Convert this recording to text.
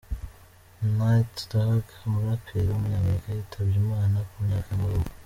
Nate Dogg, umuraperi w’umunyamerika yitabye Imana, ku myaka y’amavuko.